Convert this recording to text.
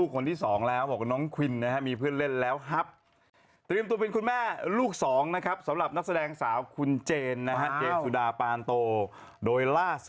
ไม่มีอ่ะหน้าโอกออกเดินทางหรอ